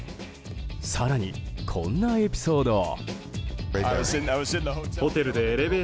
更に、こんなエピソードを。